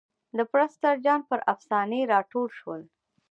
د پرسټر جان پر افسانې را ټول شول.